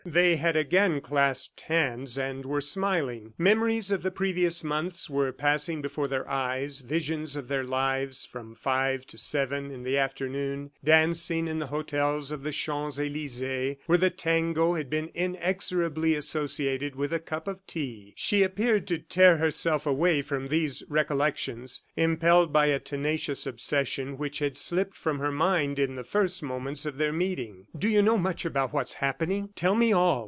They had again clasped hands and were smiling. Memories of the previous months were passing before their eyes, visions of their life from five to seven in the afternoon, dancing in the hotels of the Champs Elysees where the tango had been inexorably associated with a cup of tea. She appeared to tear herself away from these recollections, impelled by a tenacious obsession which had slipped from her mind in the first moments of their meeting. "Do you know much about what's happening? Tell me all.